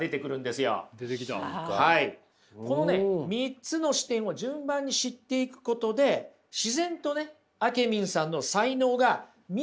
このね３つの視点を順番に知っていくことで自然とねあけみんさんの才能が見えてくる仕組みになってます。